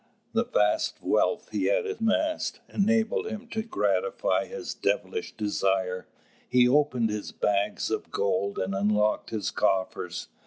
The vast wealth he had amassed enabled him to gratify this devilish desire. He opened his bags of gold and unlocked his coffers.